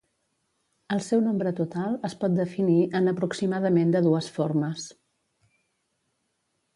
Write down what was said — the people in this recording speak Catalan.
El seu nombre total es pot definir en aproximadament de dues formes.